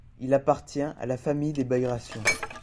Il appartient à la famille des Bagrations.